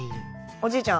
おじいちゃん